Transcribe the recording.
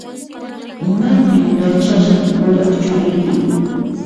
Maypin yachashan kuraq churiyki?